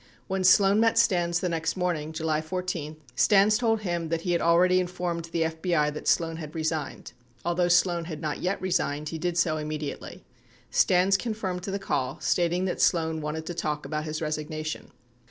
When Sloan met Stans the next morning, July 14, Stans told him that he had already informed the FBI that Sloan had resigned. Although Sloan had not yet resigned, he did so im mediately. 84 Stans confirmed the call, stating that, Sloan wanted to talk about his resignation.